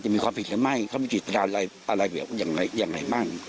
จะมีความผิดหรือไม่เขามีจิตราอะไรอย่างไรบ้าง